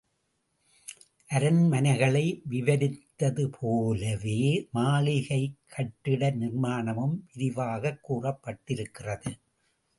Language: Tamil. அரண்மனைகளை விவரித்தது போலவே மாளிகைக் கட்டிட நிர்மாணமும் விரிவாகக் கூறப்பட்டிருக்கிறது.